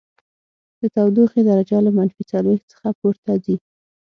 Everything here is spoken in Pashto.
د تودوخې درجه له منفي څلوېښت څخه پورته ځي